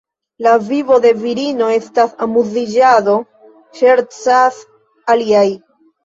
La vivo de virino estas amuziĝado, ŝercas aliaj.